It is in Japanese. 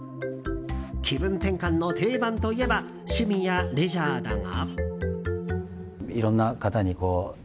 気分転換の定番といえば趣味やレジャーだが。